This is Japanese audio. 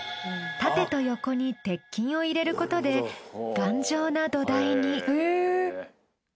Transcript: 縦と横に鉄筋を入れることで頑丈な土台に。